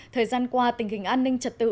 thời gian qua tình hình an ninh trật tự